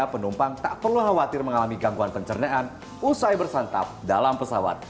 penumpang tak perlu khawatir mengalami gangguan pencernaan usai bersantap dalam pesawat